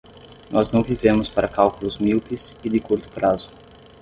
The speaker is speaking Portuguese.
Nós não vivemos para cálculos míopes e de curto prazo.